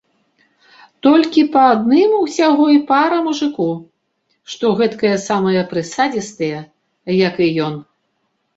Толькі па адным усяго й пара мужыку, што гэткая самая прысадзістая, як і ён.